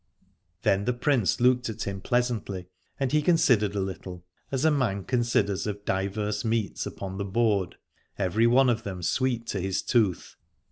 117 Alad ore Then the Prince looked at him pleasantly: and he considered a little, as a man considers of divers meats upon the board, every one of them sweet to his tooth.